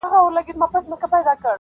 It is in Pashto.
ځينې خلک د پېښې په اړه دعاوې کوي خاموش,